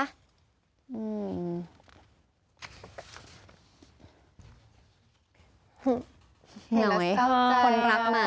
เห็นไหมคนรักมา